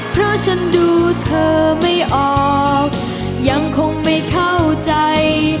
เพราะฉันดูเธอไม่ออกยังคงไม่เข้าใจ